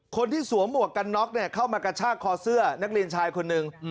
สวมหมวกกันน็อกเข้ามากระชากคอเสื้อนักเรียนชายคนหนึ่ง